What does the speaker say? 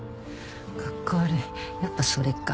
カッコ悪いやっぱそれか。